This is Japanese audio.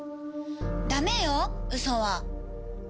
ダメよウソは。